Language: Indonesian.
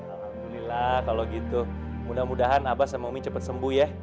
alhamdulillah kalau gitu mudah mudahan abah sama omik cepat sembuh ya